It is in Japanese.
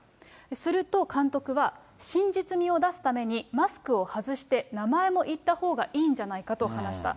すると、監督は真実味を出すためにマスクを外して、名前も言ったほうがいいんじゃないかと話した。